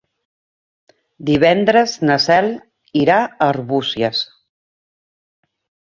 Divendres na Cel irà a Arbúcies.